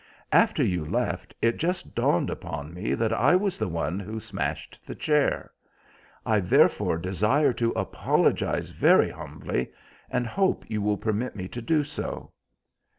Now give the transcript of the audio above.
After you left, it just dawned upon me that I was the one who smashed the chair. I therefore desire to apologise very humbly, and hope you will permit me to do so."